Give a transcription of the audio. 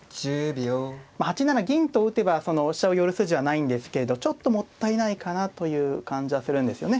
まあ８七銀と打てば飛車を寄る筋はないんですけどちょっともったいないかなという感じはするんですよね。